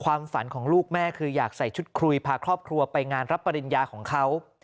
ความฝันของลูกแม่คืออยากใส่ชุดคุยพาครอบครัวไปงานรับปริญญาของเขา